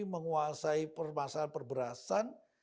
menguasai permasalahan perberasan